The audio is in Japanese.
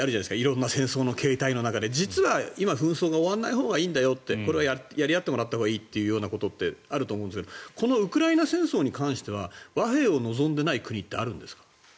色んな戦争の形態の中で実は今、紛争が終わらないほうがいいんだよとやり合ってもらったほうがいいということはあると思うんですがこのウクライナ戦争に関しては和平を望んでない国っていうのはあるんですか？